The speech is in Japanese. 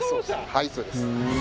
はいそうです